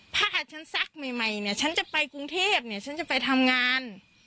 ผ้าฉันซักใหม่เนี่ยฉันจะไปกรุงเทพเนี่ยฉันจะไปทำงาน